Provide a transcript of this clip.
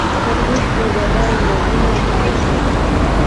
ورزش د بدن رګونه فعال ساتي.